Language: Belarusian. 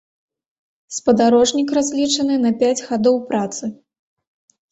Спадарожнік разлічаны на пяць гадоў працы.